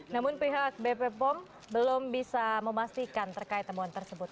namun pihak bpom belum bisa memastikan terkait temuan tersebut